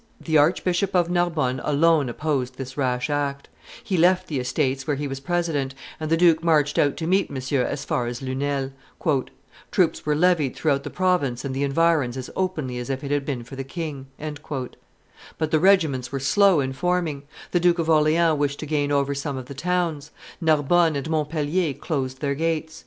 The Archbishop of Narbonne alone opposed this rash act; he left the Estates, where he was president, and the duke marched out to meet Monsieur as far as Lunel. "Troops were levied throughout the province and the environs as openly as if it had been for the king." But the regiments were slow in forming; the Duke of Orleans wished to gain over some of the towns; Narbonne and Montpellier closed their gates.